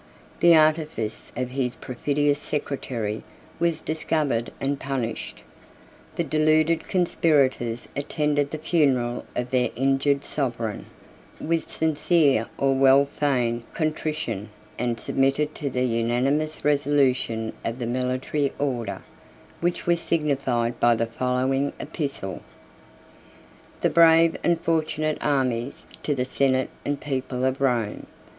The artifice of his perfidious secretary was discovered and punished. The deluded conspirators attended the funeral of their injured sovereign, with sincere or well feigned contrition, and submitted to the unanimous resolution of the military order, which was signified by the following epistle: "The brave and fortunate armies to the senate and people of Rome.